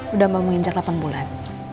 udah mau menginjak delapan bulan